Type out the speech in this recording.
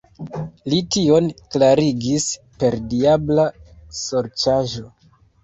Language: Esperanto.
Li tion klarigis per diabla sorĉaĵo.